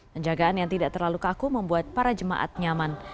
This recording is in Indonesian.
penjagaan yang tidak terlalu kaku membuat para jemaat nyaman